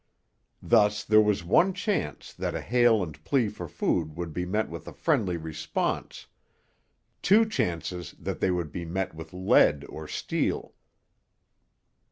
Thus there was one chance that a hail and plea for food would be met with a friendly response; two chances that they would be met with lead or steel.